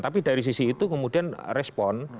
tapi dari sisi itu kemudian respon